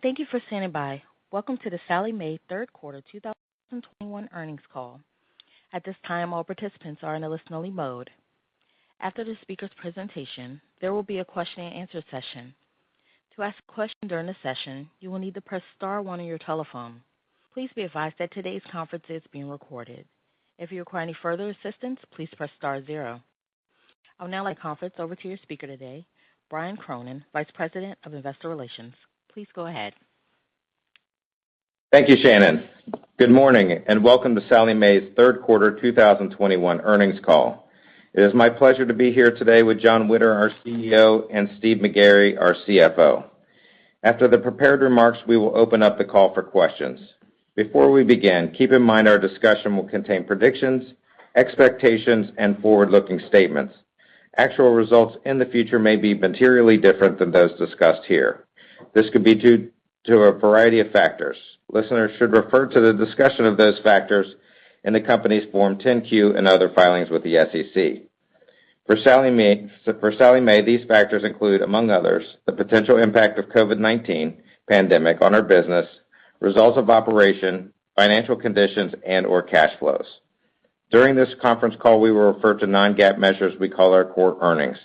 Thank you for standing by. Welcome to the Sallie Mae third quarter 2021 earnings call. At this time, all participants are in a listen-only mode. After the speaker's presentation, there will be a question and answer session. To ask a question during the session, you will need to press star one on your telephone. Please be advised that today's conference is being recorded. If you require any further assistance, please press star zero. I'll now hand the conference over to your speaker today, Brian Cronin, Vice President of Investor Relations. Please go ahead. Thank you, Shannon. Good morning, and welcome to Sallie Mae's third quarter 2021 earnings call. It is my pleasure to be here today with Jon Witter, our CEO, and Steve McGarry, our CFO. After the prepared remarks, we will open up the call for questions. Before we begin, keep in mind our discussion will contain predictions, expectations, and forward-looking statements. Actual results in the future may be materially different than those discussed here. This could be due to a variety of factors. Listeners should refer to the discussion of those factors in the company's Form 10-Q and other filings with the SEC. For Sallie Mae, these factors include, among others, the potential impact of COVID-19 pandemic on our business, results of operation, financial conditions, and/or cash flows. During this conference call, we will refer to non-GAAP measures we call our core earnings.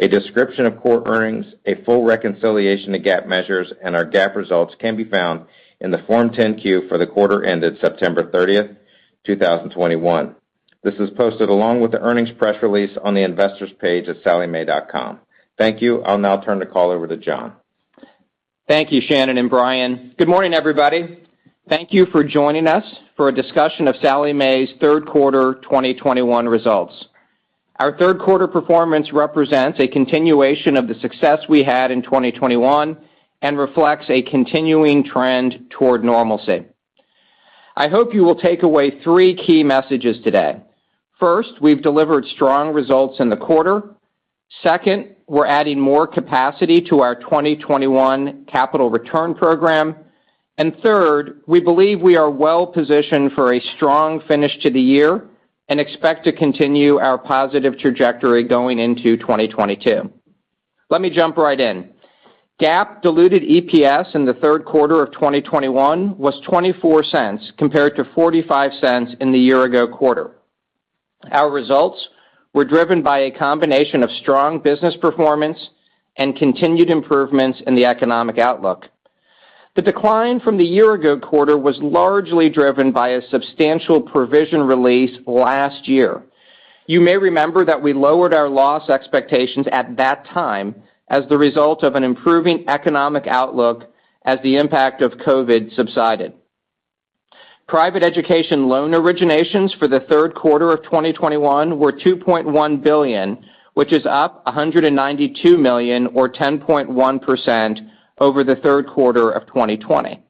A description of core earnings, a full reconciliation to GAAP measures, and our GAAP results can be found in the Form 10-Q for the quarter ended September 30th, 2021. This is posted along with the earnings press release on the investors page at salliemae.com. Thank you. I'll now turn the call over to Jon. Thank you, Shannon and Brian. Good morning, everybody. Thank you for joining us for a discussion of Sallie Mae's third quarter 2021 results. Our third quarter performance represents a continuation of the success we had in 2021 and reflects a continuing trend toward normalcy. I hope you will take away three key messages today. First, we've delivered strong results in the quarter. Second, we're adding more capacity to our 2021 capital return program. Third, we believe we are well-positioned for a strong finish to the year and expect to continue our positive trajectory going into 2022. Let me jump right in. GAAP diluted EPS in the third quarter of 2021 was $0.24 compared to $0.45 in the year-ago quarter. Our results were driven by a combination of strong business performance and continued improvements in the economic outlook. The decline from the year-ago quarter was largely driven by a substantial provision release last year. You may remember that we lowered our loss expectations at that time as the result of an improving economic outlook as the impact of COVID subsided. Private education loan originations for the third quarter of 2021 were $2.1 billion, which is up $192 million or 10.1% over the third quarter of 2020.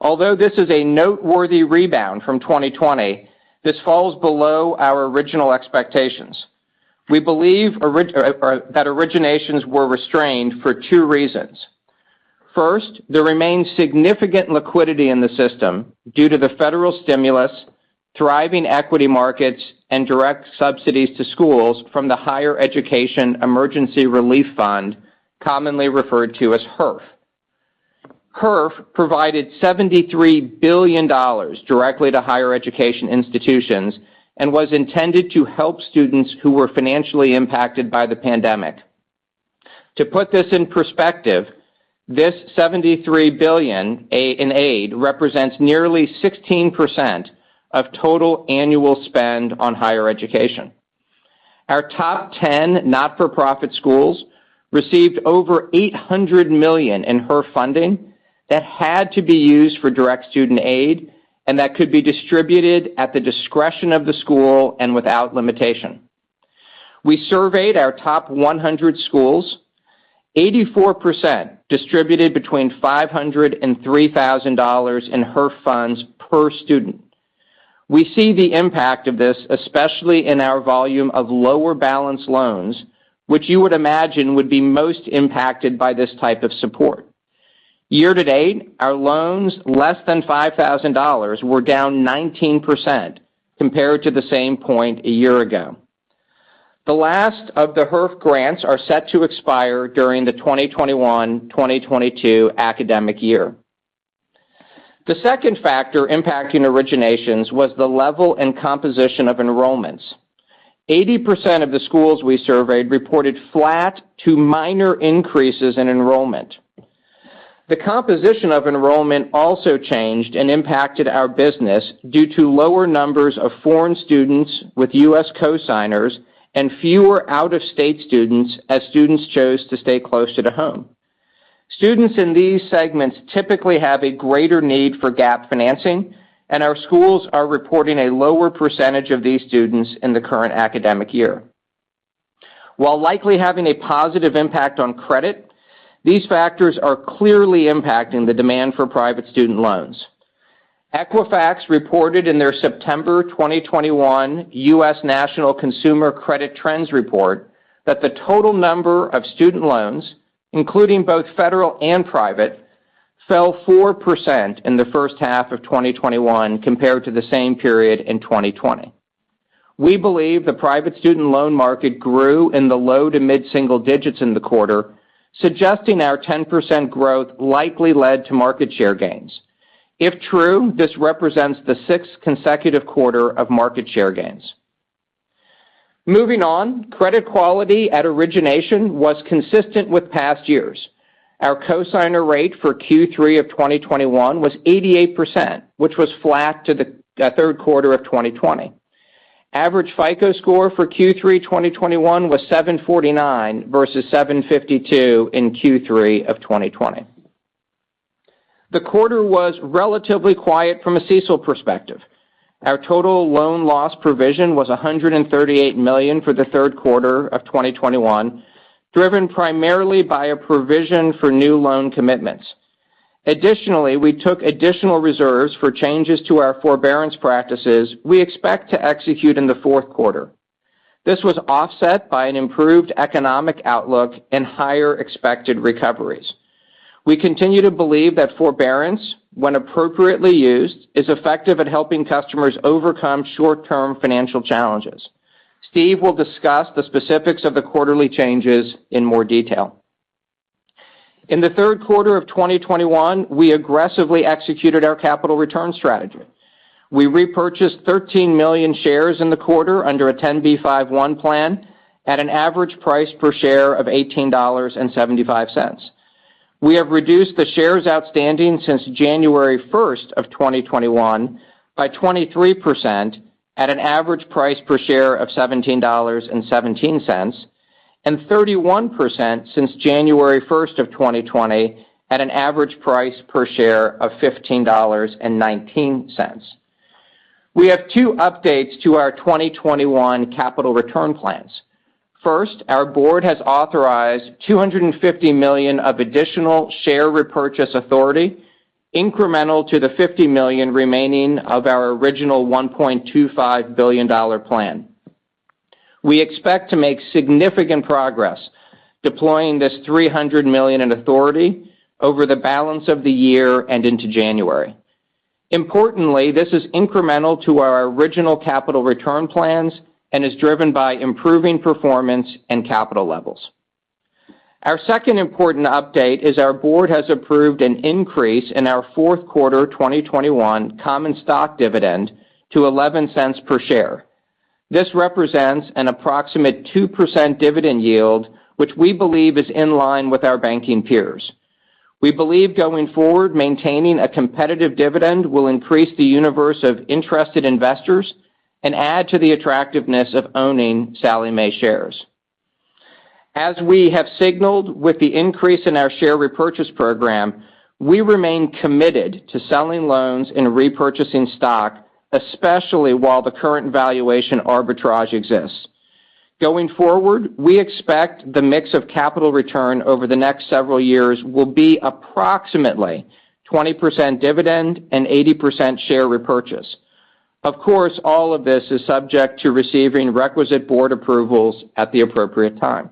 Although this is a noteworthy rebound from 2020, this falls below our original expectations. We believe that originations were restrained for two reasons. First, there remains significant liquidity in the system due to the federal stimulus, thriving equity markets, and direct subsidies to schools from the Higher Education Emergency Relief Fund, commonly referred to as HEERF. HEERF provided $73 billion directly to higher education institutions and was intended to help students who were financially impacted by the pandemic. To put this in perspective, this $73 billion in aid represents nearly 16% of total annual spend on higher education. Our top 10 not-for-profit schools received over $800 million in HEERF funding that had to be used for direct student aid and that could be distributed at the discretion of the school and without limitation. We surveyed our top 100 schools. 84% distributed between $500 and $3,000 in HEERF funds per student. We see the impact of this, especially in our volume of lower balance loans, which you would imagine would be most impacted by this type of support. Year-to-date, our loans less than $5,000 were down 19% compared to the same point a year ago. The last of the HEERF grants are set to expire during the 2021-2022 academic year. The second factor impacting originations was the level and composition of enrollments. 80% of the schools we surveyed reported flat to minor increases in enrollment. The composition of enrollment also changed and impacted our business due to lower numbers of foreign students with U.S. cosigners and fewer out-of-state students as students chose to stay closer to home. Students in these segments typically have a greater need for gap financing, and our schools are reporting a lower percentage of these students in the current academic year. While likely having a positive impact on credit, these factors are clearly impacting the demand for private student loans. Equifax reported in their September 2021 US National Consumer Credit Trends report that the total number of student loans, including both federal and private, fell 4% in the first half of 2021 compared to the same period in 2020. We believe the private student loan market grew in the low to mid-single digits in the quarter, suggesting our 10% growth likely led to market share gains. If true, this represents the sixth consecutive quarter of market share gains. Moving on, credit quality at origination was consistent with past years. Our cosigner rate for Q3 of 2021 was 88%, which was flat to the third quarter of 2020. Average FICO score for Q3 2021 was 749 versus 752 in Q3 of 2020. The quarter was relatively quiet from a CECL perspective. Our total loan loss provision was $138 million for the third quarter of 2021, driven primarily by a provision for new loan commitments. We took additional reserves for changes to our forbearance practices we expect to execute in the fourth quarter. This was offset by an improved economic outlook and higher expected recoveries. We continue to believe that forbearance, when appropriately used, is effective at helping customers overcome short-term financial challenges. Steve will discuss the specifics of the quarterly changes in more detail. In the third quarter of 2021, we aggressively executed our capital return strategy. We repurchased 13 million shares in the quarter under a 10b5-1 plan at an average price per share of $18.75. We have reduced the shares outstanding since January 1st of 2021 by 23% at an average price per share of $17.17, and 31% since January 1st of 2020 at an average price per share of $15.19. We have two updates to our 2021 capital return plans. First, our board has authorized $250 million of additional share repurchase authority incremental to the $50 million remaining of our original $1.25 billion plan. We expect to make significant progress deploying this $300 million in authority over the balance of the year and into January. Importantly, this is incremental to our original capital return plans and is driven by improving performance and capital levels. Our second important update is our board has approved an increase in our fourth quarter 2021 common stock dividend to $0.11 per share. This represents an approximate 2% dividend yield, which we believe is in line with our banking peers. We believe going forward, maintaining a competitive dividend will increase the universe of interested investors and add to the attractiveness of owning Sallie Mae shares. As we have signaled with the increase in our share repurchase program, we remain committed to selling loans and repurchasing stock, especially while the current valuation arbitrage exists. Going forward, we expect the mix of capital return over the next several years will be approximately 20% dividend and 80% share repurchase. Of course, all of this is subject to receiving requisite board approvals at the appropriate time.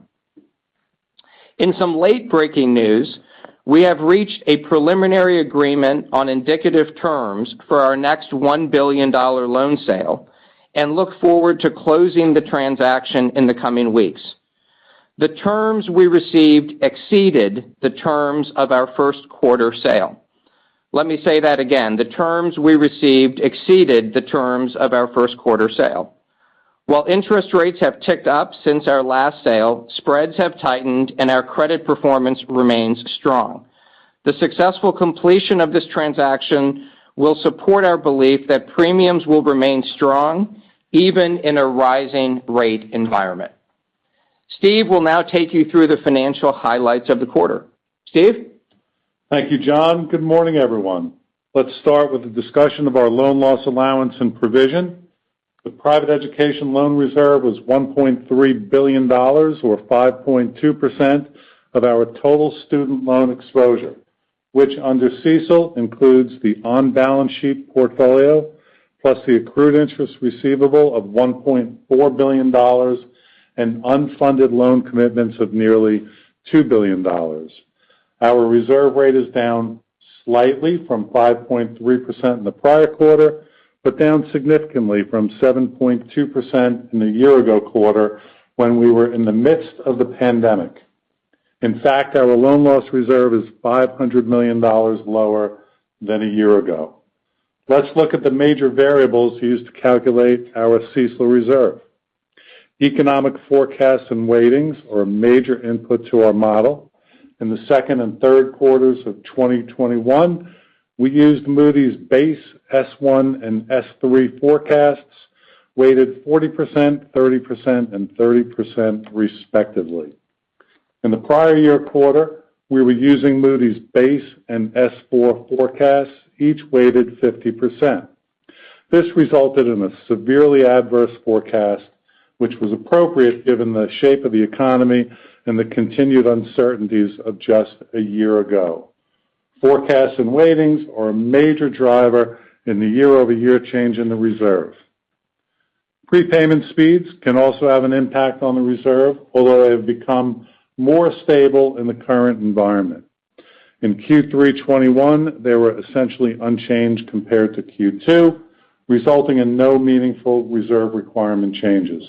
In some late-breaking news, we have reached a preliminary agreement on indicative terms for our next $1 billion loan sale and look forward to closing the transaction in the coming weeks. The terms we received exceeded the terms of our first quarter sale. Let me say that again. The terms we received exceeded the terms of our first quarter sale. While interest rates have ticked up since our last sale, spreads have tightened, and our credit performance remains strong. The successful completion of this transaction will support our belief that premiums will remain strong even in a rising rate environment. Steve will now take you through the financial highlights of the quarter. Steve? Thank you, Jon. Good morning, everyone. Let's start with a discussion of our loan loss allowance and provision. The private education loan reserve was $1.3 billion, or 5.2%, of our total student loan exposure, which under CECL includes the on-balance sheet portfolio, plus the accrued interest receivable of $1.4 billion and unfunded loan commitments of nearly $2 billion. Our reserve rate is down slightly from 5.3% in the prior quarter, but down significantly from 7.2% in the year-ago quarter when we were in the midst of the pandemic. In fact, our loan loss reserve is $500 million lower than a year ago. Let's look at the major variables used to calculate our CECL reserve. Economic forecasts and weightings are a major input to our model. In the second and third quarters of 2021, we used Moody's base S1 and S3 forecasts, weighted 40%, 30%, and 30% respectively. In the prior year quarter, we were using Moody's base and S4 forecasts, each weighted 50%. This resulted in a severely adverse forecast, which was appropriate given the shape of the economy and the continued uncertainties of just a year ago. Forecasts and weightings are a major driver in the year-over-year change in the reserve. Prepayment speeds can also have an impact on the reserve, although they have become more stable in the current environment. In Q3 2021, they were essentially unchanged compared to Q2, resulting in no meaningful reserve requirement changes.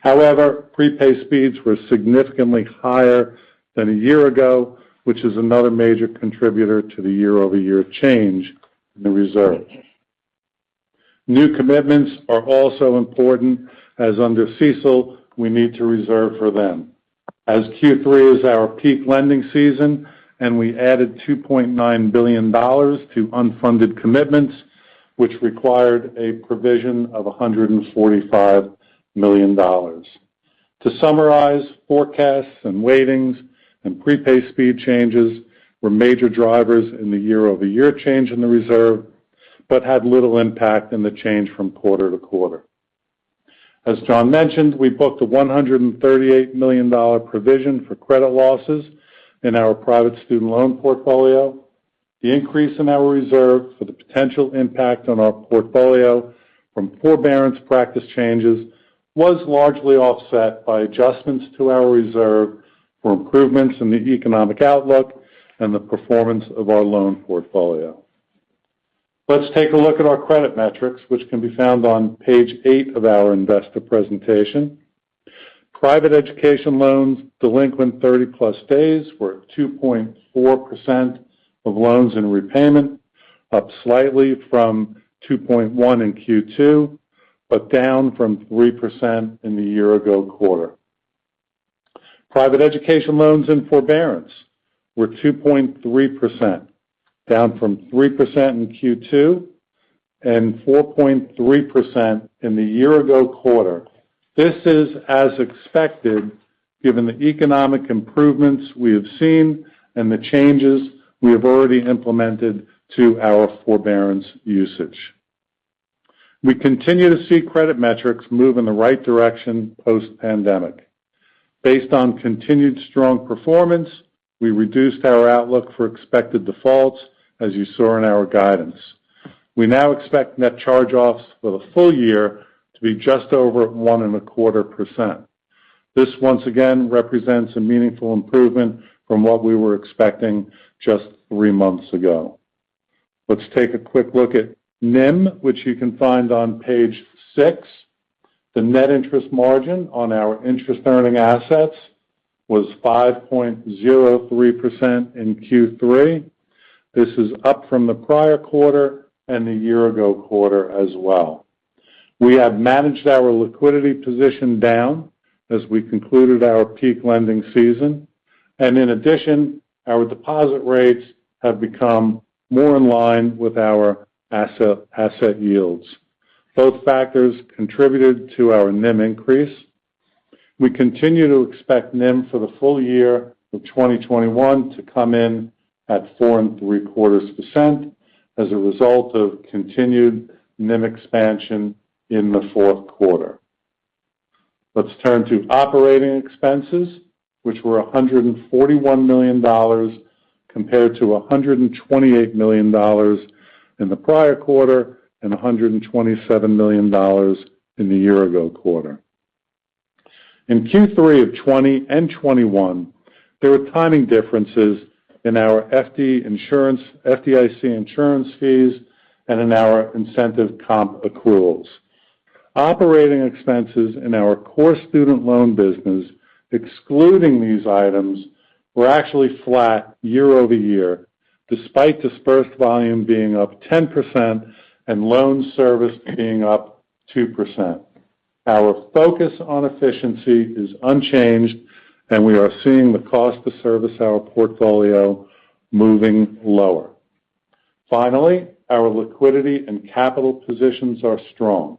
However, prepay speeds were significantly higher than a year ago, which is another major contributor to the year-over-year change in the reserve. New commitments are also important as under CECL, we need to reserve for them. As Q3 is our peak lending season, and we added $2.9 billion to unfunded commitments, which required a provision of $145 million. To summarize, forecasts and weightings and prepay speed changes were major drivers in the year-over-year change in the reserve but had little impact in the change from quarter-to-quarter. As Jon mentioned, we booked a $138 million provision for credit losses in our private student loan portfolio. The increase in our reserve for the potential impact on our portfolio from forbearance practice changes was largely offset by adjustments to our reserve for improvements in the economic outlook and the performance of our loan portfolio. Let's take a look at our credit metrics, which can be found on page eight of our investor presentation. Private education loans delinquent 30-plus days were at 2.4% of loans in repayment, up slightly from 2.1% in Q2, but down from 3% in the year-ago quarter. Private education loans in forbearance were 2.3%, down from 3% in Q2 and 4.3% in the year-ago quarter. This is as expected given the economic improvements we have seen and the changes we have already implemented to our forbearance usage. We continue to see credit metrics move in the right direction post-pandemic. Based on continued strong performance, we reduced our outlook for expected defaults, as you saw in our guidance. We now expect net charge-offs for the full year to be just over 1.25%. This once again represents a meaningful improvement from what we were expecting just three months ago. Let's take a quick look at NIM, which you can find on page six. The net interest margin on our interest-earning assets was 5.03% in Q3. This is up from the prior quarter and the year-ago quarter as well. We have managed our liquidity position down as we concluded our peak lending season. In addition, our deposit rates have become more in line with our asset yields. Both factors contributed to our NIM increase. We continue to expect NIM for the full year of 2021 to come in at 4.75% as a result of continued NIM expansion in the fourth quarter. Let's turn to operating expenses, which were $141 million compared to $128 million in the prior quarter and $127 million in the year-ago quarter. In Q3 of 2020 and 2021, there were timing differences in our FDIC insurance fees and in our incentive comp accruals. Operating expenses in our core student loan business, excluding these items, were actually flat year-over-year, despite disbursed volume being up 10% and loan service being up 2%. Our focus on efficiency is unchanged, and we are seeing the cost to service our portfolio moving lower. Finally, our liquidity and capital positions are strong.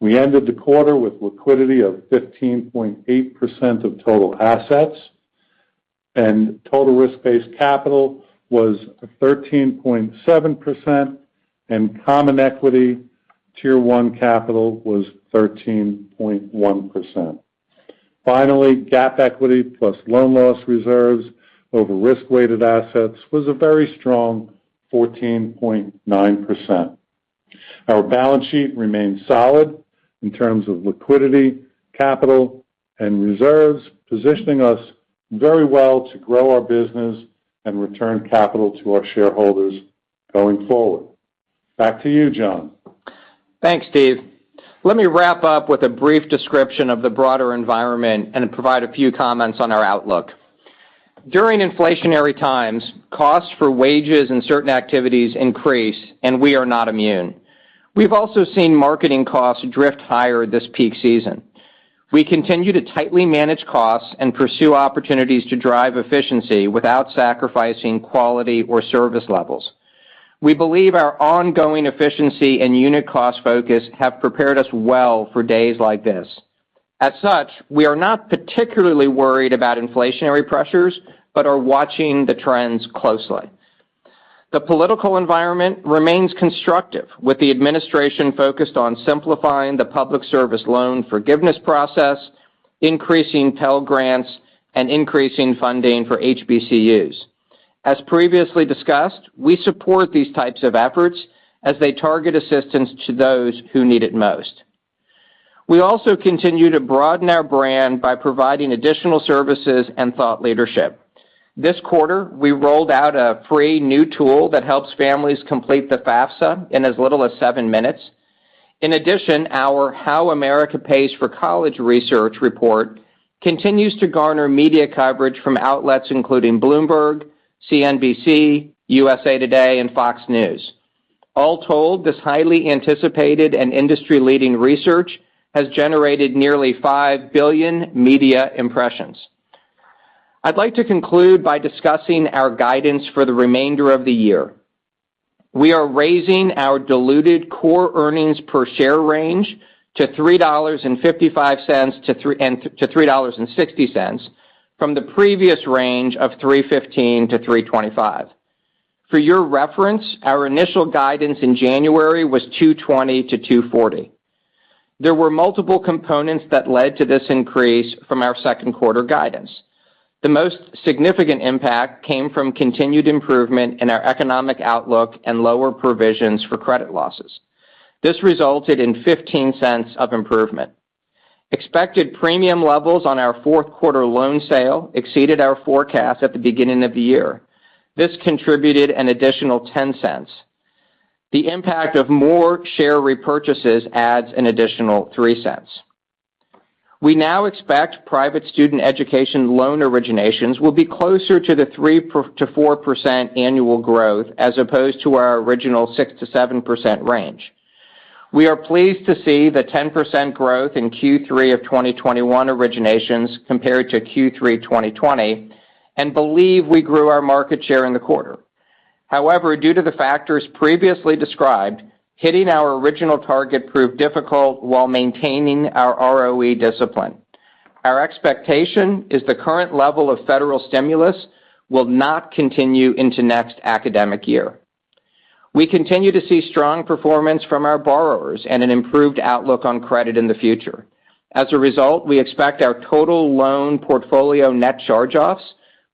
We ended the quarter with liquidity of 15.8% of total assets, and total risk-based capital was 13.7%, and Common Equity Tier 1 capital was 13.1%. Finally, GAAP equity plus loan loss reserves over risk-weighted assets was a very strong 14.9%. Our balance sheet remains solid in terms of liquidity, capital, and reserves, positioning us very well to grow our business and return capital to our shareholders going forward. Back to you, Jon. Thanks, Steve. Let me wrap up with a brief description of the broader environment and provide a few comments on our outlook. During inflationary times, costs for wages and certain activities increase, and we are not immune. We've also seen marketing costs drift higher this peak season. We continue to tightly manage costs and pursue opportunities to drive efficiency without sacrificing quality or service levels. We believe our ongoing efficiency and unit cost focus have prepared us well for days like this. As such, we are not particularly worried about inflationary pressures but are watching the trends closely. The political environment remains constructive, with the administration focused on simplifying the public service loan forgiveness process, increasing Pell Grants, and increasing funding for HBCUs. As previously discussed, we support these types of efforts as they target assistance to those who need it most. We also continue to broaden our brand by providing additional services and thought leadership. This quarter, we rolled out a free new tool that helps families complete the FAFSA in as little as seven minutes. In addition, our How America Pays for College research report continues to garner media coverage from outlets including Bloomberg, CNBC, USA Today, and Fox News. All told, this highly anticipated and industry-leading research has generated nearly 5 billion media impressions. I'd like to conclude by discussing our guidance for the remainder of the year. We are raising our diluted core earnings per share range to $3.55-$3.60 from the previous range of $3.15-$3.25. For your reference, our initial guidance in January was $2.20-$2.40. There were multiple components that led to this increase from our second quarter guidance. The most significant impact came from continued improvement in our economic outlook and lower provisions for credit losses. This resulted in $0.15 of improvement. Expected premium levels on our fourth quarter loan sale exceeded our forecast at the beginning of the year. This contributed an additional $0.10. The impact of more share repurchases adds an additional $0.03. We now expect private student education loan originations will be closer to the 3%-4% annual growth as opposed to our original 6%-7% range. We are pleased to see the 10% growth in Q3 of 2021 originations compared to Q3 2020 and believe we grew our market share in the quarter. Due to the factors previously described, hitting our original target proved difficult while maintaining our ROE discipline. Our expectation is the current level of federal stimulus will not continue into next academic year. We continue to see strong performance from our borrowers and an improved outlook on credit in the future. As a result, we expect our total loan portfolio net charge-offs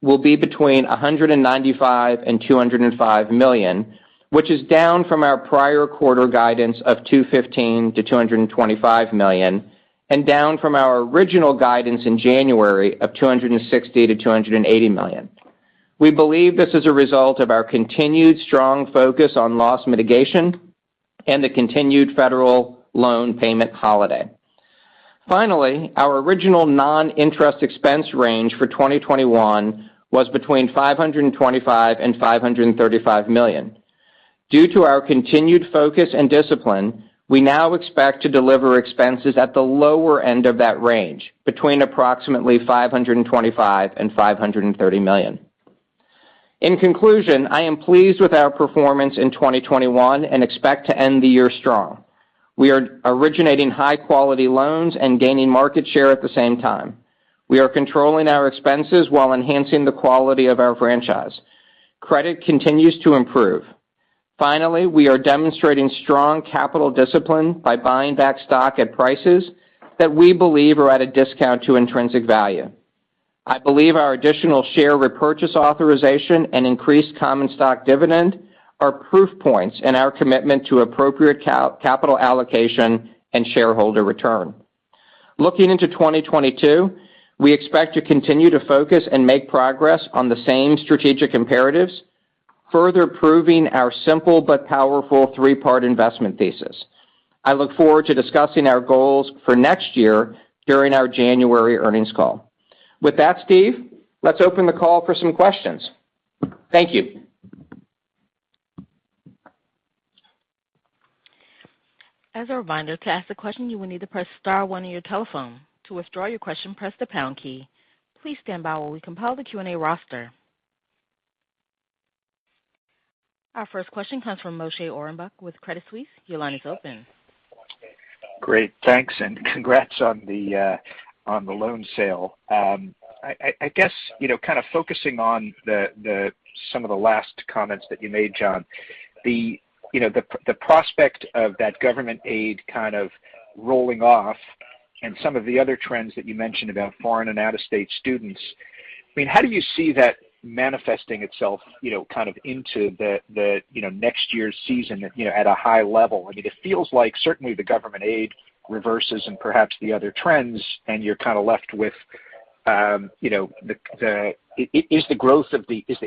will be between $195 million and $205 million, which is down from our prior quarter guidance of $215 million-$225 million and down from our original guidance in January of $260 million-$280 million. We believe this is a result of our continued strong focus on loss mitigation and the continued federal loan payment holiday. Finally, our original non-interest expense range for 2021 was between $525 million and $535 million. Due to our continued focus and discipline, we now expect to deliver expenses at the lower end of that range, between approximately $525 million and $530 million. In conclusion, I am pleased with our performance in 2021 and expect to end the year strong. We are originating high-quality loans and gaining market share at the same time. We are controlling our expenses while enhancing the quality of our franchise. Credit continues to improve. Finally, we are demonstrating strong capital discipline by buying back stock at prices that we believe are at a discount to intrinsic value. I believe our additional share repurchase authorization and increased common stock dividend are proof points in our commitment to appropriate capital allocation and shareholder return. Looking into 2022, we expect to continue to focus and make progress on the same strategic imperatives, further proving our simple but powerful three-part investment thesis. I look forward to discussing our goals for next year during our January earnings call. With that, Steve, let's open the call for some questions. Thank you. As a reminder, to ask a question, you will need to press star one on your telephone. To withdraw your question, press the pound key. Please stand by while we compile the Q&A roster. Our first question comes from Moshe Orenbuch with Credit Suisse. Your line is open. Great. Thanks, and congrats on the loan sale. I guess, kind of focusing on some of the last comments that you made, Jon, the prospect of that government aid kind of rolling off and some of the other trends that you mentioned about foreign and out-of-state students. How do you see that manifesting itself into the next year's season at a high level? It feels like certainly the government aid reverses and perhaps the other trends, and you're kind of left with, is the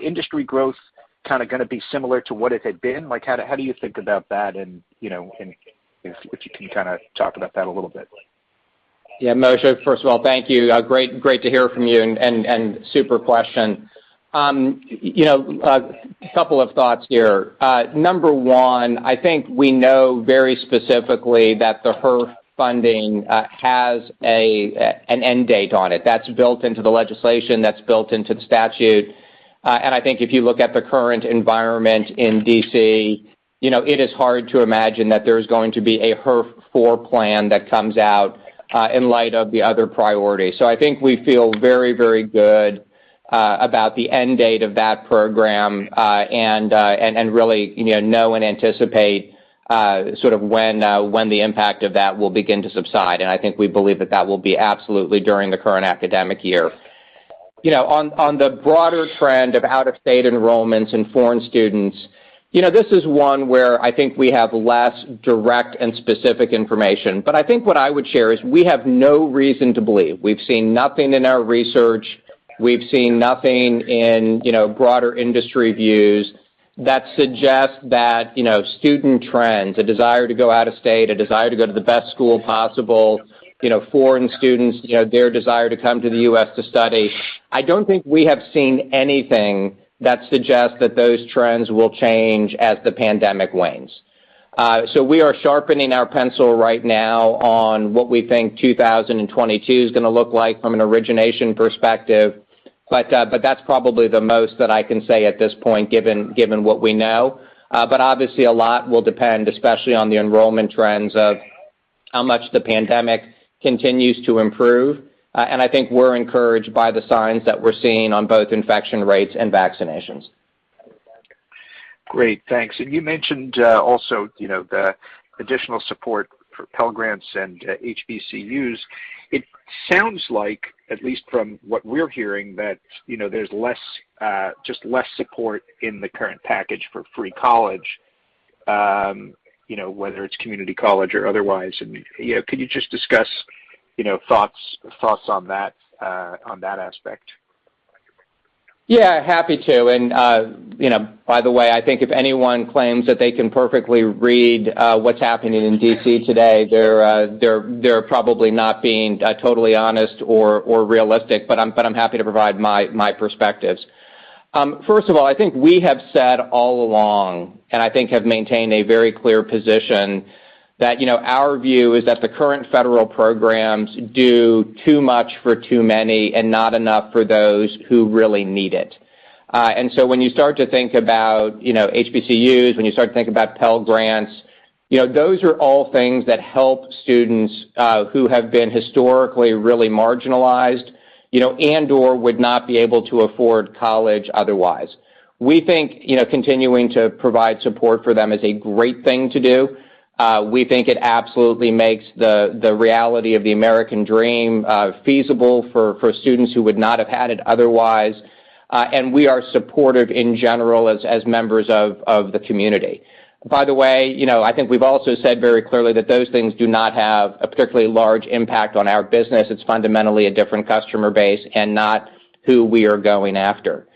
industry growth going to be similar to what it had been? How do you think about that, and if you can kind of talk about that a little bit. Yeah, Moshe, first of all, thank you. Great to hear from you, super question. A couple of thoughts here. Number one, I think we know very specifically that the HEERF funding has an end date on it. That's built into the legislation, that's built into the statute. I think if you look at the current environment in D.C., it is hard to imagine that there's going to be a HEERF IV plan that comes out in light of the other priorities. I think we feel very good about the end date of that program and really know and anticipate sort of when the impact of that will begin to subside. I think we believe that will be absolutely during the current academic year. On the broader trend of out-of-state enrollments and foreign students, this is one where I think we have less direct and specific information. I think what I would share is we have no reason to believe. We've seen nothing in our research, we've seen nothing in broader industry views that suggest that student trends, a desire to go out of state, a desire to go to the best school possible, foreign students, their desire to come to the U.S. to study. I don't think we have seen anything that suggests that those trends will change as the pandemic wanes. We are sharpening our pencil right now on what we think 2022 is going to look like from an origination perspective, that's probably the most that I can say at this point, given what we know. Obviously a lot will depend, especially on the enrollment trends of how much the pandemic continues to improve. I think we're encouraged by the signs that we're seeing on both infection rates and vaccinations. Great. Thanks. You mentioned also the additional support for Pell Grants and HBCUs. It sounds like, at least from what we're hearing, that there's just less support in the current package for free college, whether it's community college or otherwise. Could you just discuss thoughts on that aspect? Happy to. By the way, I think if anyone claims that they can perfectly read what's happening in D.C. today, they're probably not being totally honest or realistic, but I'm happy to provide my perspectives. First of all, I think we have said all along, and I think have maintained a very clear position, that our view is that the current federal programs do too much for too many and not enough for those who really need it. When you start to think about HBCUs, when you start to think about Pell Grants, those are all things that help students who have been historically really marginalized and/or would not be able to afford college otherwise. We think continuing to provide support for them is a great thing to do. We think it absolutely makes the reality of the American dream feasible for students who would not have had it otherwise, and we are supportive in general as members of the community. By the way, I think we've also said very clearly that those things do not have a particularly large impact on our business. It's fundamentally a different customer base and not who we are going after.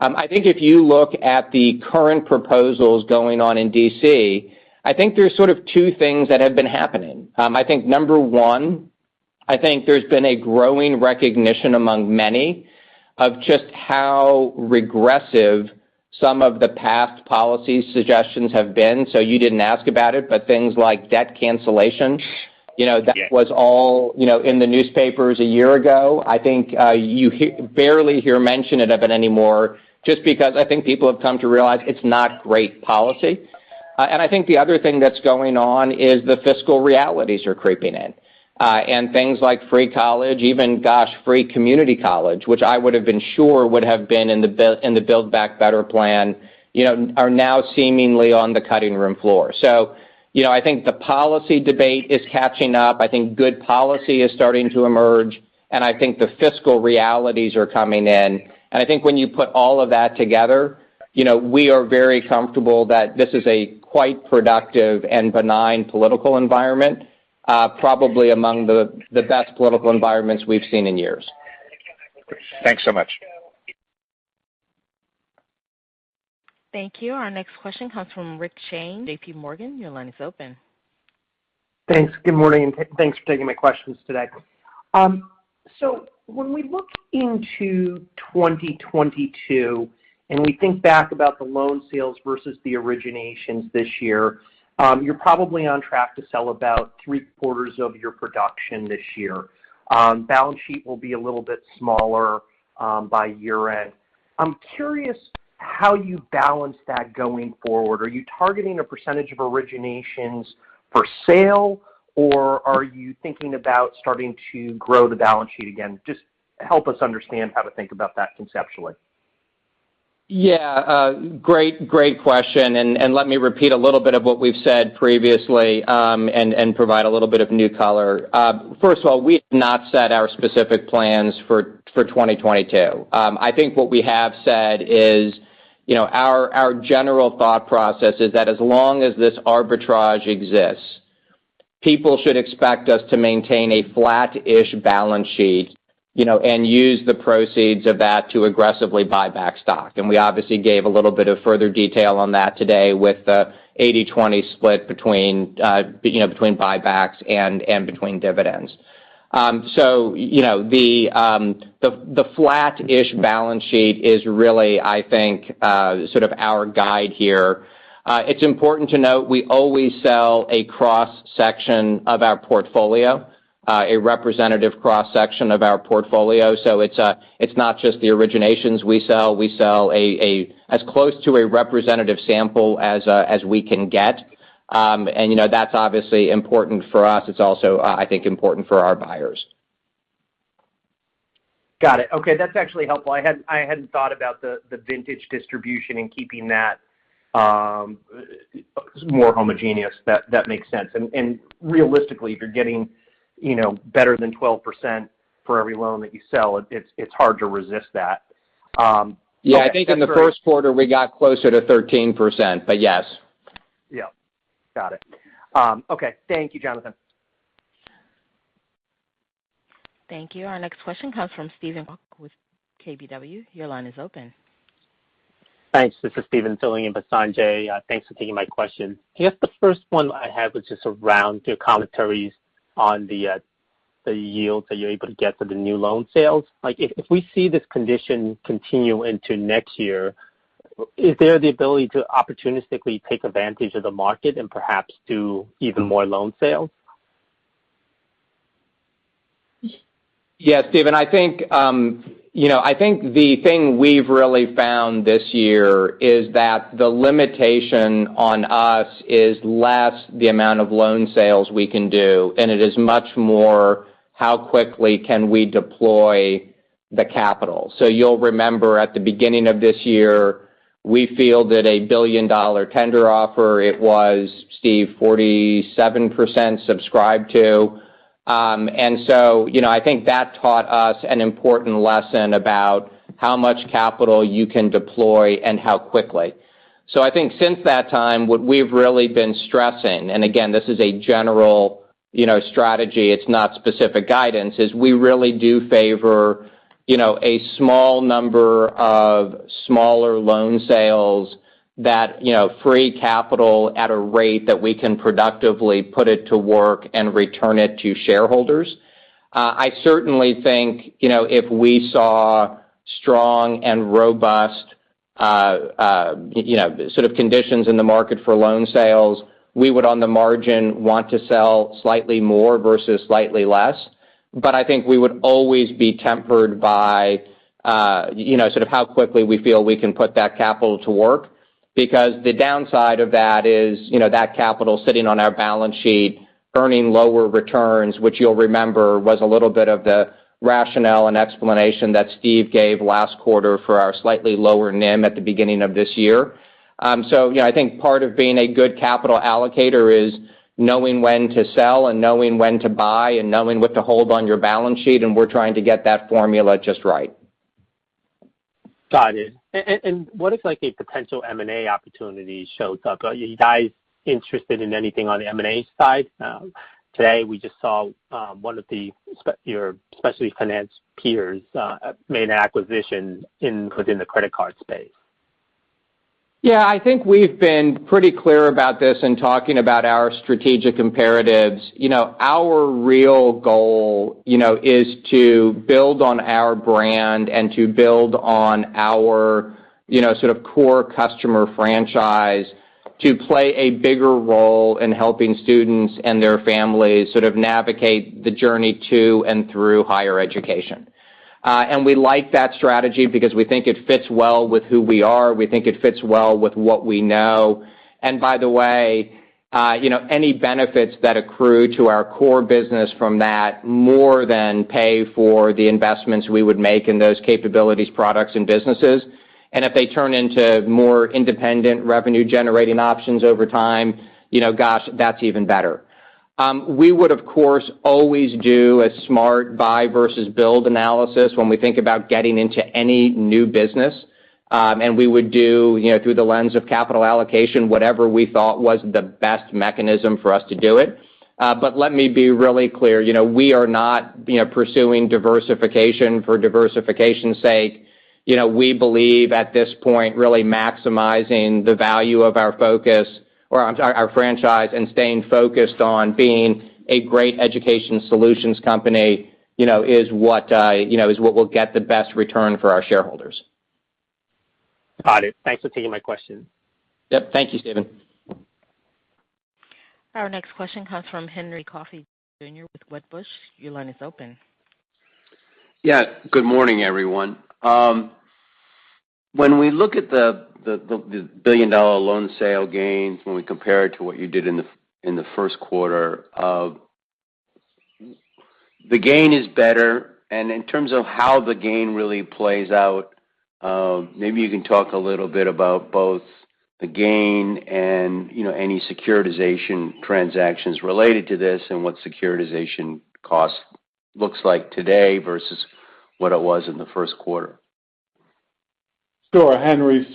I think if you look at the current proposals going on in D.C., I think there's sort of two things that have been happening. I think number one, I think there's been a growing recognition among many of just how regressive some of the past policy suggestions have been. You didn't ask about it, but things like debt cancellation. Yeah that was all in the newspapers a year ago. I think you barely hear mention of it anymore just because I think people have come to realize it's not great policy. I think the other thing that's going on is the fiscal realities are creeping in. Things like free college, even, gosh, free community college, which I would've been sure would have been in the Build Back Better plan, are now seemingly on the cutting room floor. I think the policy debate is catching up. I think good policy is starting to emerge, and I think the fiscal realities are coming in. I think when you put all of that together, we are very comfortable that this is a quite productive and benign political environment, probably among the best political environments we've seen in years. Thanks so much. Thank you. Our next question comes from Rich Shane, JPMorgan. Your line is open. Thanks. Good morning, and thanks for taking my questions today. When we look into 2022, and we think back about the loan sales versus the originations this year, you're probably on track to sell about three-quarters of your production this year. Balance sheet will be a little bit smaller by year-end. I'm curious how you balance that going forward. Are you targeting a percentage of originations for sale, or are you thinking about starting to grow the balance sheet again? Just help us understand how to think about that conceptually. Yeah. Great question. Let me repeat a little bit of what we've said previously and provide a little bit of new color. First of all, we have not set our specific plans for 2022. I think what we have said is our general thought process is that as long as this arbitrage exists, people should expect us to maintain a flat-ish balance sheet and use the proceeds of that to aggressively buy back stock. We obviously gave a little bit of further detail on that today with the 80/20 split between buybacks and between dividends. The flat-ish balance sheet is really, I think, sort of our guide here. It's important to note we always sell a cross-section of our portfolio, a representative cross-section of our portfolio. It's not just the originations we sell. We sell as close to a representative sample as we can get. That's obviously important for us. It's also, I think, important for our buyers. Got it. Okay. That's actually helpful. I hadn't thought about the vintage distribution and keeping that. More homogeneous. That makes sense. Realistically, if you're getting better than 12% for every loan that you sell, it's hard to resist that. Yeah. I think in the first quarter we got closer to 13%, but yes. Yeah. Got it. Okay. Thank you, Jonathan. Thank you. Our next question comes from Sanjay Sakhrani with KBW. Your line is open. Thanks. This is Steven filling in for Sanjay. Thanks for taking my question. I guess the first one I had was just around your commentaries on the yields that you're able to get for the new loan sales. If we see this condition continue into next year, is there the ability to opportunistically take advantage of the market and perhaps do even more loan sales? Steven. I think the thing we've really found this year is that the limitation on us is less the amount of loan sales we can do, it is much more how quickly can we deploy the capital. You'll remember at the beginning of this year, we feel that a billion-dollar tender offer, it was, Steve, 47% subscribed to. I think that taught us an important lesson about how much capital you can deploy and how quickly. I think since that time, what we've really been stressing, and again, this is a general strategy, it's not specific guidance, is we really do favor a small number of smaller loan sales that free capital at a rate that we can productively put it to work and return it to shareholders. I certainly think if we saw strong and robust sort of conditions in the market for loan sales, we would, on the margin, want to sell slightly more versus slightly less. I think we would always be tempered by sort of how quickly we feel we can put that capital to work. Because the downside of that is, that capital sitting on our balance sheet earning lower returns, which you'll remember was a little bit of the rationale and explanation that Steve gave last quarter for our slightly lower NIM at the beginning of this year. Yeah, I think part of being a good capital allocator is knowing when to sell and knowing when to buy and knowing what to hold on your balance sheet, and we're trying to get that formula just right. Got it. What if a potential M&A opportunity shows up? Are you guys interested in anything on the M&A side? Today we just saw one of your specialty finance peers made an acquisition within the credit card space. Yeah, I think we've been pretty clear about this in talking about our strategic imperatives. Our real goal is to build on our brand and to build on our sort of core customer franchise to play a bigger role in helping students and their families sort of navigate the journey to and through higher education. We like that strategy because we think it fits well with who we are. We think it fits well with what we know. By the way, any benefits that accrue to our core business from that more than pay for the investments we would make in those capabilities, products, and businesses. If they turn into more independent revenue-generating options over time, gosh, that's even better. We would, of course, always do a smart buy versus build analysis when we think about getting into any new business. We would do through the lens of capital allocation, whatever we thought was the best mechanism for us to do it. Let me be really clear. We are not pursuing diversification for diversification's sake. We believe at this point really maximizing the value of our franchise, and staying focused on being a great education solutions company is what will get the best return for our shareholders. Got it. Thanks for taking my question. Yep. Thank you, Steven. Our next question comes from Henry Coffey with Wedbush. Your line is open. Yeah. Good morning, everyone. When we look at the billion-dollar loan sale gains, when we compare it to what you did in the first quarter, the gain is better. In terms of how the gain really plays out, maybe you can talk a little bit about both the gain and any securitization transactions related to this and what securitization cost looks like today versus what it was in the first quarter. Sure, Henry.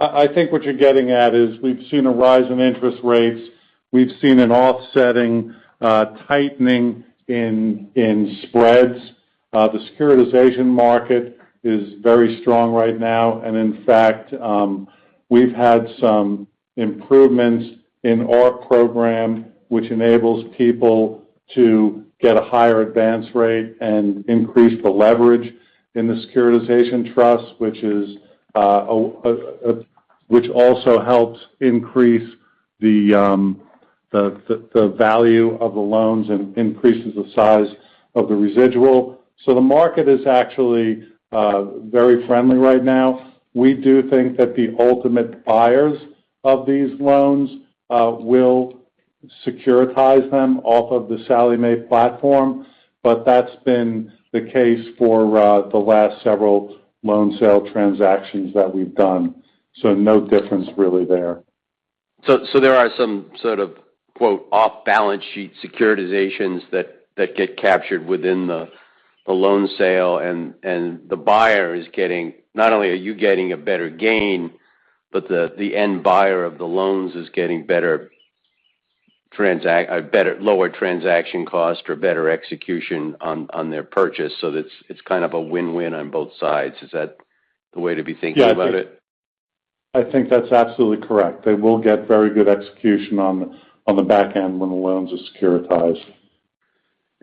I think what you're getting at is we've seen a rise in interest rates. We've seen an offsetting tightening in spreads. The securitization market is very strong right now. In fact, we've had some improvements in our program, which enables people to get a higher advance rate and increase the leverage in the securitization trust, which also helps increase the value of the loans and increases the size of the residual. The market is actually very friendly right now. We do think that the ultimate buyers of these loans will securitize them off of the Sallie Mae platform. That's been the case for the last several loan sale transactions that we've done. No difference really there. There are some sort of, quote, "off-balance sheet securitizations" that get captured within the loan sale, and not only are you getting a better gain, but the end buyer of the loans is getting lower transaction cost or better execution on their purchase. It's kind of a win-win on both sides. Is that the way to be thinking about it? Yeah. I think that's absolutely correct. They will get very good execution on the back end when the loans are securitized.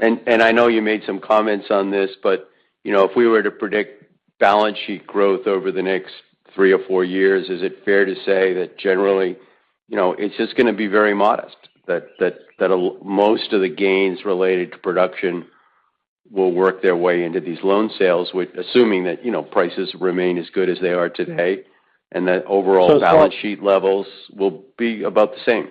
I know you made some comments on this, if we were to predict balance sheet growth over the next three or four years, is it fair to say that generally, it's just going to be very modest, that most of the gains related to production will work their way into these loan sales, assuming that prices remain as good as they are today, and that overall? So, so I- balance sheet levels will be about the same.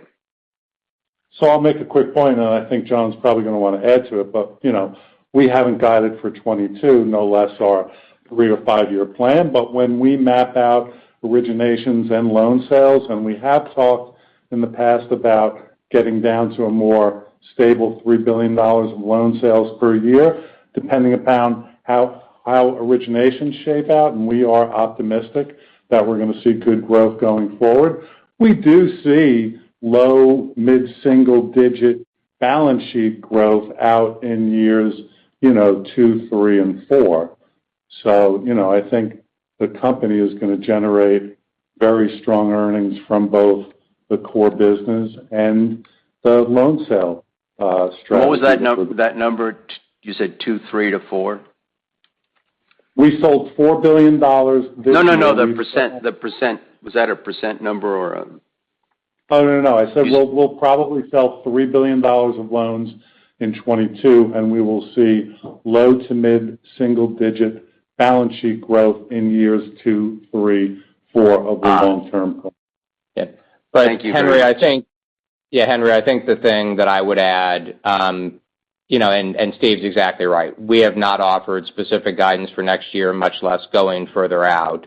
I'll make a quick point, and then I think Jon's probably going to want to add to it. We haven't guided for 2022, no less our three- or five-year plan. When we map out originations and loan sales, we have talked in the past about getting down to a more stable $3 billion of loan sales per year, depending upon how originations shape out, we are optimistic that we're going to see good growth going forward. We do see low mid-single digit balance sheet growth out in years two, three, and four. I think the company is going to generate very strong earnings from both the core business and the loan sale strategy. What was that number? You said two, three to four? We sold $4 billion this year. No, the percent. Was that a percent number or a Oh, no. I said we'll probably sell $3 billion of loans in 2022. We will see low to mid-single digit balance sheet growth in years two, three, four of the long term. Okay. Thank you, Henry. Henry, I think the thing that I would add, and Steve's exactly right. We have not offered specific guidance for next year, much less going further out.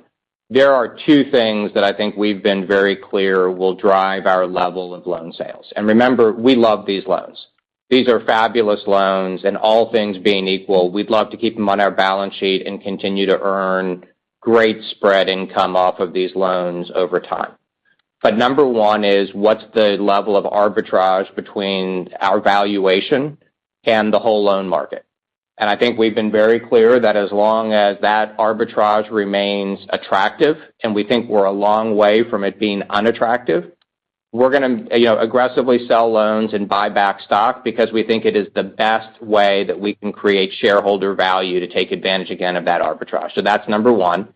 There are two things that I think we've been very clear will drive our level of loan sales. Remember, we love these loans. These are fabulous loans, and all things being equal, we'd love to keep them on our balance sheet and continue to earn great spread income off of these loans over time. Number one is, what's the level of arbitrage between our valuation and the whole loan market? I think we've been very clear that as long as that arbitrage remains attractive, and we think we're a long way from it being unattractive, we're going to aggressively sell loans and buy back stock because we think it is the best way that we can create shareholder value to take advantage again of that arbitrage. That's number one.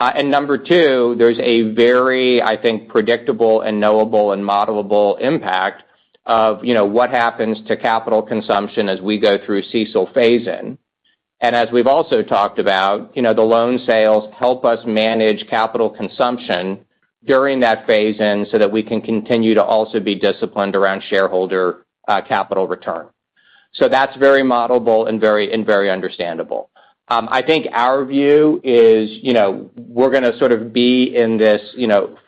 Number two, there's a very, I think, predictable and knowable and modelable impact of what happens to capital consumption as we go through CECL phase-in. As we've also talked about, the loan sales help us manage capital consumption during that phase-in so that we can continue to also be disciplined around shareholder capital return. That's very modelable and very understandable. I think our view is we're going to sort of be in this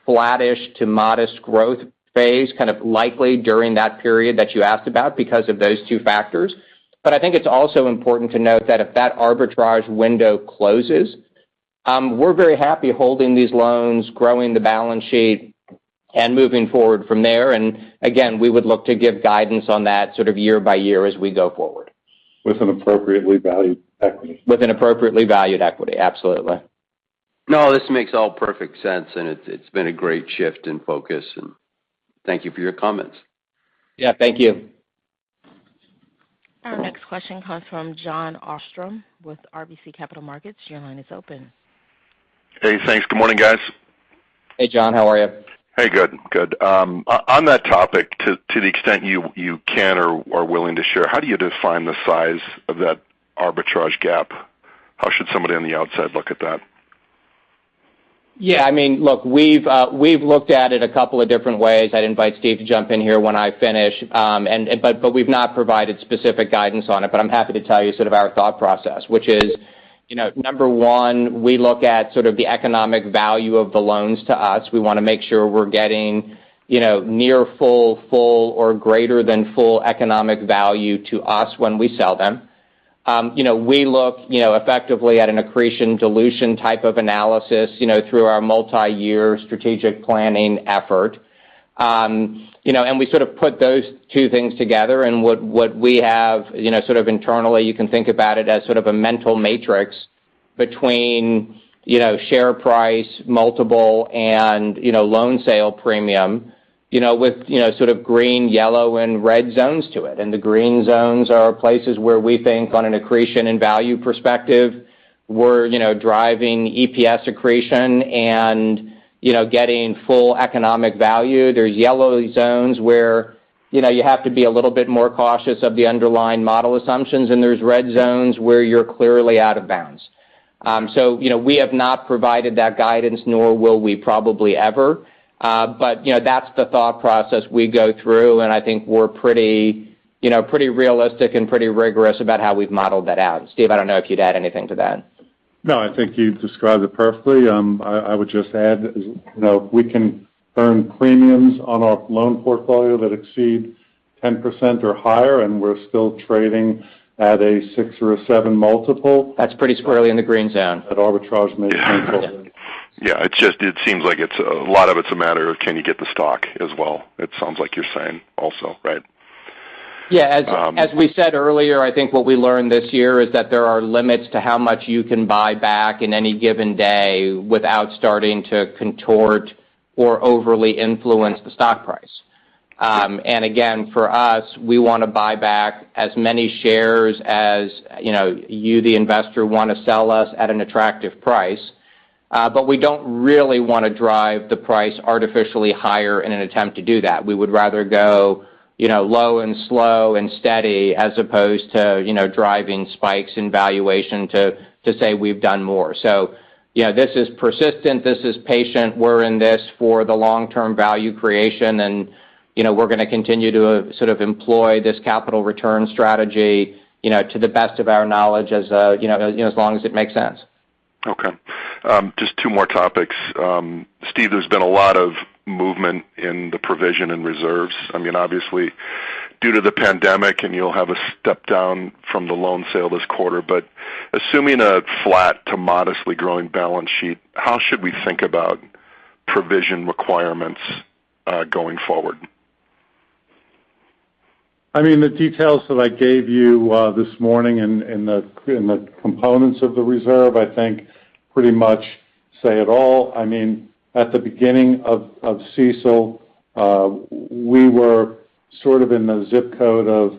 flattish to modest growth phase, kind of likely during that period that you asked about because of those two factors. I think it's also important to note that if that arbitrage window closes, we're very happy holding these loans, growing the balance sheet, and moving forward from there. Again, we would look to give guidance on that sort of year by year as we go forward. With an appropriately valued equity. With an appropriately valued equity. Absolutely. No, this makes all perfect sense. It's been a great shift in focus. Thank you for your comments. Yeah, thank you. Our next question comes from Jon Arfstrom with RBC Capital Markets. Your line is open. Hey, thanks. Good morning, guys. Hey, Jon. How are you? Hey, good. On that topic, to the extent you can or are willing to share, how do you define the size of that arbitrage gap? How should somebody on the outside look at that? Yeah, look, we've looked at it a couple of different ways. I'd invite Steve to jump in here when I finish. We've not provided specific guidance on it. I'm happy to tell you sort of our thought process, which is, number one, we look at sort of the economic value of the loans to us. We want to make sure we're getting near full or greater than full economic value to us when we sell them. We look effectively at an accretion dilution type of analysis through our multi-year strategic planning effort. We sort of put those two things together. What we have sort of internally, you can think about it as sort of a mental matrix between share price, multiple, and loan sale premium. With sort of green, yellow, and red zones to it. The green zones are places where we think on an accretion and value perspective, we're driving EPS accretion and getting full economic value. There's yellow zones where you have to be a little bit more cautious of the underlying model assumptions, and there's red zones where you're clearly out of bounds. We have not provided that guidance, nor will we probably ever. That's the thought process we go through, and I think we're pretty realistic and pretty rigorous about how we've modeled that out. Steve, I don't know if you'd add anything to that. I think you described it perfectly. I would just add, we can earn premiums on our loan portfolio that exceed 10% or higher, and we're still trading at a 6x or a 7x multiple. That's pretty squarely in the green zone. That arbitrage makes sense. Yeah. It seems like a lot of it's a matter of can you get the stock as well? It sounds like you're saying also, right? Yeah. As we said earlier, I think what we learned this year is that there are limits to how much you can buy back in any given day without starting to contort or overly influence the stock price. Again, for us, we want to buy back as many shares as you, the investor, want to sell us at an attractive price. We don't really want to drive the price artificially higher in an attempt to do that. We would rather go low and slow and steady as opposed to driving spikes in valuation to say we've done more. This is persistent, this is patient. We're in this for the long-term value creation, and we're going to continue to sort of employ this capital return strategy to the best of our knowledge as long as it makes sense. Okay. Just two more topics. Steve, there's been a lot of movement in the provision and reserves. I mean, obviously, due to the pandemic, you'll have a step-down from the loan sale this quarter. Assuming a flat to modestly growing balance sheet, how should we think about provision requirements going forward? I mean, the details that I gave you this morning in the components of the reserve, I think pretty much say it all. I mean, at the beginning of CECL, we were sort of in the zip code of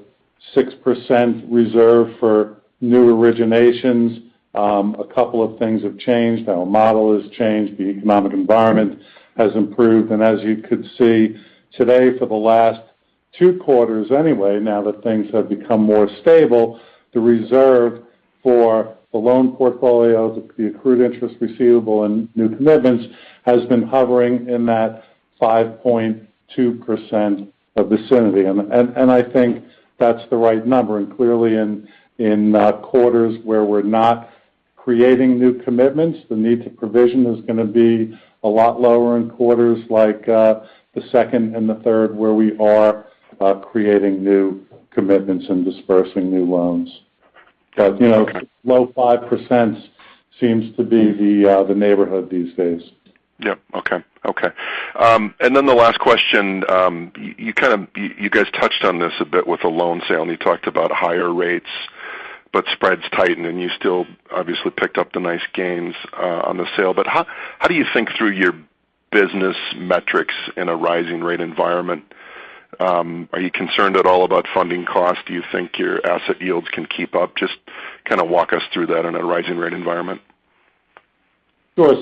6% reserve for new originations. A couple of things have changed. Now our model has changed, the economic environment has improved. As you could see today for the last two quarters anyway, now that things have become more stable, the reserve for the loan portfolio, the accrued interest receivable and new commitments has been hovering in that 5.2% vicinity. I think that's the right number. Clearly in quarters where we're not creating new commitments, the need to provision is going to be a lot lower in quarters like the second and the third where we are creating new commitments and dispersing new loans. Low 5% seems to be the neighborhood these days. Yep. Okay. The last question. You guys touched on this a bit with the loan sale, and you talked about higher rates, but spreads tightened, and you still obviously picked up the nice gains on the sale. How do you think through your business metrics in a rising rate environment? Are you concerned at all about funding costs? Do you think your asset yields can keep up? Just kind of walk us through that in a rising rate environment. Sure.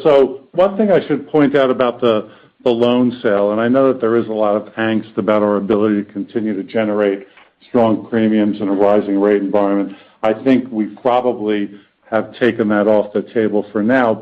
One thing I should point out about the loan sale, I know that there is a lot of angst about our ability to continue to generate strong premiums in a rising rate environment. I think we probably have taken that off the table for now.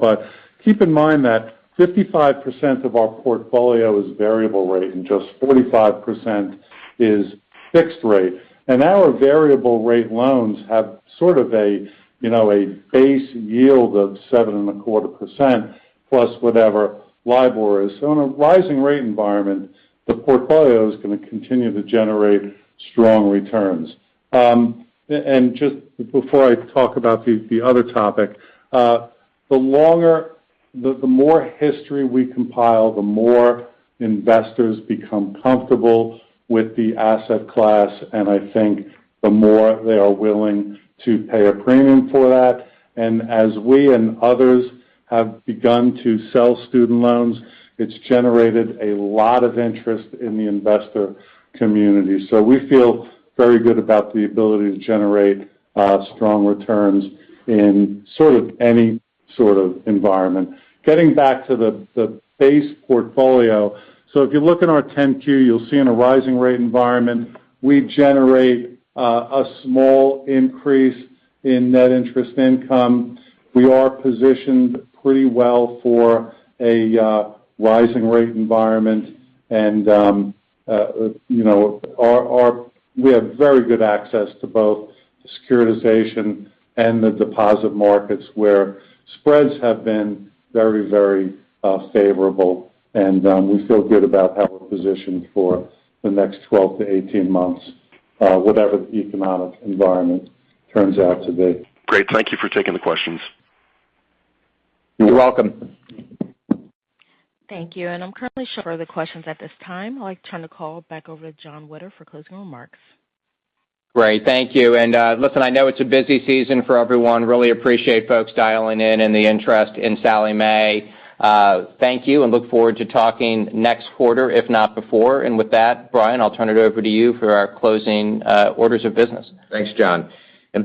Keep in mind that 55% of our portfolio is variable rate and just 45% is fixed rate. Our variable rate loans have sort of a base yield of 7.25% plus whatever LIBOR is. In a rising rate environment, the portfolio is going to continue to generate strong returns. Just before I talk about the other topic, the more history we compile, the more investors become comfortable with the asset class, and I think the more they are willing to pay a premium for that. As we and others have begun to sell student loans, it's generated a lot of interest in the investor community. We feel very good about the ability to generate strong returns in sort of any sort of environment. Getting back to the base portfolio. If you look in our 10-Q, you'll see in a rising rate environment, we generate a small increase in net interest income. We are positioned pretty well for a rising rate environment. We have very good access to both the securitization and the deposit markets where spreads have been very favorable. We feel good about how we're positioned for the next 12 to 18 months, whatever the economic environment turns out to be. Great. Thank you for taking the questions. You're welcome. Thank you. I'm currently showing no other questions at this time. I'd like to turn the call back over to Jon Witter for closing remarks. Great. Thank you. Listen, I know it's a busy season for everyone. Really appreciate folks dialing in and the interest in Sallie Mae. Thank you, and look forward to talking next quarter, if not before. With that, Brian, I'll turn it over to you for our closing orders of business. Thanks, Jon.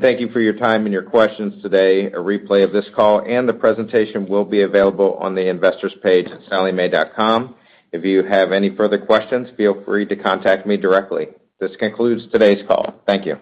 Thank you for your time and your questions today. A replay of this call and the presentation will be available on the investors page at salliemae.com. If you have any further questions, feel free to contact me directly. This concludes today's call. Thank you.